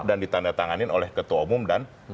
dan ditandatangani oleh ketua umum dan